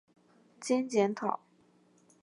兼检讨。